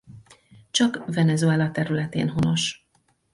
Csak Venezuela területén honos.